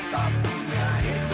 sampai jumpa maaary getsy